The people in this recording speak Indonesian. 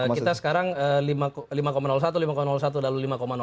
kita sekarang lima satu lima satu lalu lima enam